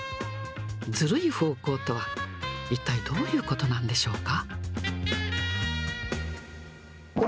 ずるい方向とは、一体どういうことなんでしょうか。